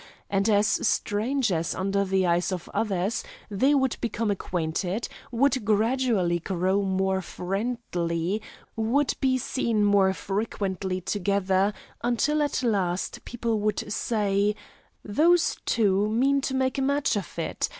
And, as strangers under the eyes of others, they would become acquainted, would gradually grow more friendly, would be seen more frequently together, until at last people would say: 'Those two mean to make a match of it.'